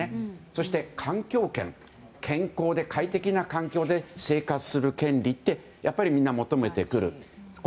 そして、環境権健康で快適な環境で生活する権利ってやっぱりみんな求めてくる。